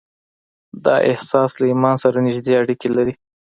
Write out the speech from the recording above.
دا احساس له ايمان سره نږدې اړيکې لري.